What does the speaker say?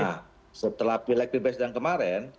nah setelah pilek pilkres dan kemarin